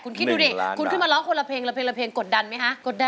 คุณคิดดูดิหนึ่งหลานคุณคือมาร้องคนละเพลงละเพลงละเพลงกดดันมั้ยฮะกดดัน